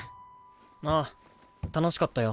ああ楽しかったよ。